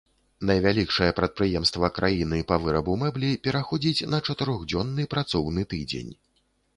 Найвялікшае прадпрыемства краіны па вырабу мэблі пераходзіць на чатырохдзённы працоўны тыдзень.